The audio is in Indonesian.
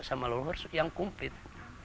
sama leluhur yang kumpit